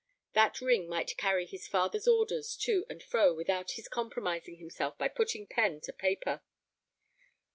That ring might carry his father's orders to and fro without his compromising himself by putting pen to paper.